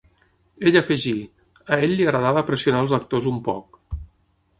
Ella afegí: "A ell li agradava pressionar als actors un poc".